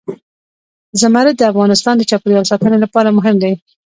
زمرد د افغانستان د چاپیریال ساتنې لپاره مهم دي.